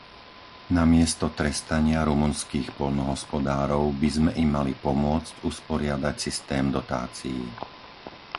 Namiesto trestania rumunských poľnohospodárov by sme im mali pomôcť usporiadať systém dotácií.